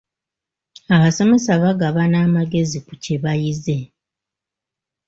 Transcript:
Abasomesa bagabana amagezi ku kye bayize.